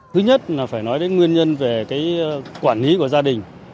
thứ nhất là phải nói đến nguyên nhân về quản lý của gia đình